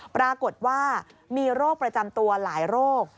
ปรากฏว่ามีโรคประจำตัวหลายโรค